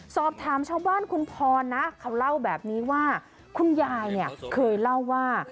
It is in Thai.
สอบถามชาวบ้านคุณพรนะเขาเล่าแบบนี้ว่าคุณยายเนี่ยเคยเล่าว่า